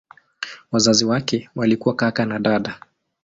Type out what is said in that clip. Wazazi wake walikuwa kaka na dada.